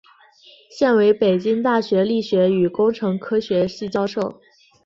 现为北京大学力学与工程科学系教授。